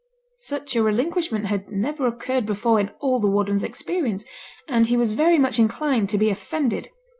Such a relinquishment had never occurred before in all the warden's experience; and he was very much inclined to be offended.